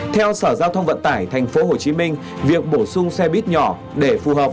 thì hoàn toàn không phù hợp